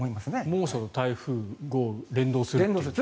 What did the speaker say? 猛暑と台風、連動すると。